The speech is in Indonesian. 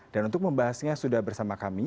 untuk membahasnya sudah bersama kami